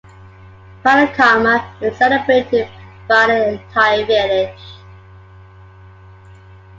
Padda karma is celebrated by the entire village.